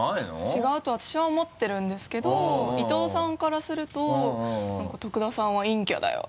違うと私は思ってるんですけど伊藤さんからするとなんか「徳田さんは陰キャだよ」